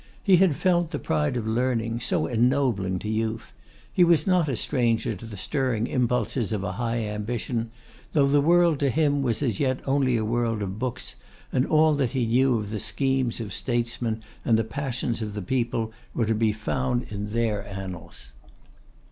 He had felt the pride of learning, so ennobling to youth; he was not a stranger to the stirring impulses of a high ambition, though the world to him was as yet only a world of books, and all that he knew of the schemes of statesmen and the passions of the people, were to be found in their annals.